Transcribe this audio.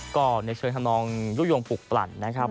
ก็เชิญทำลองรูปยวงปลุกปรั่นนะครับ